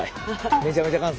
めちゃめちゃ関西。